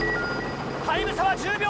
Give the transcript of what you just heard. タイム差は１０秒。